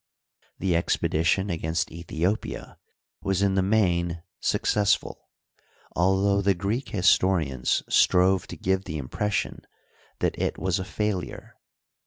The expedition against Aethiopia was in the main successful, although the Greek historians strove to give the impression that it was a failure.